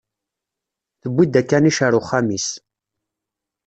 Tewwi-d akanic ar wexxam-is.